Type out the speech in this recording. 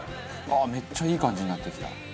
めっちゃいい感じになってきた。